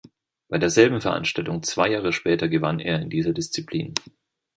Bei derselben Veranstaltung zwei Jahre später gewann er in dieser Disziplin.